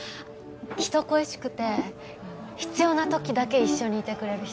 人恋しくて必要な時だけ一緒にいてくれる人。